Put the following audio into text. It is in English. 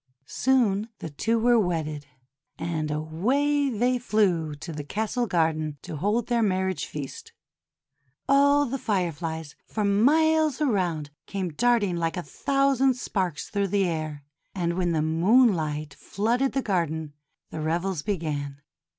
Soon the two were wedded, and away they flew to the castle garden to hold their marriage feast. All the Fireflies for miles around came darting like a thousand sparks through the air. And when the moonlight flooded the garden, the revels began.